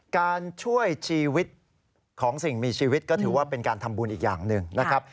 การช่วยชีวิตของสิ่งมีชีวิตก็ถือว่าเป็นการทำบุญอีกอย่างหนึ่งนะครับ